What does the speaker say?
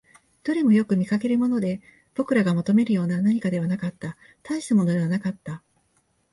どれもよく見かけるもので、僕らが求めるような何かではなかった、大したものではなかった